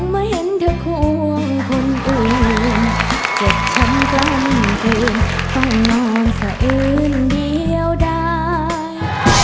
แม่ก็เป็นอย่างรู้แม่ก็ต้องตาย